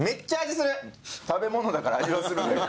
食べ物だから味はするのよ。